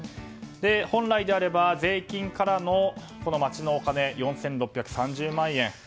本来であれば税金からの町のお金４６３０万円。